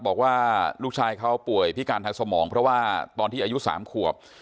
บอกว่าลูกชายเขาป่วยพิการทางสมองเพราะว่าตอนที่อายุ๓ขวบ